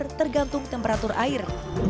oktober tergantung temperatur air